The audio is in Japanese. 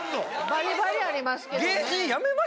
バリバリありますけどね。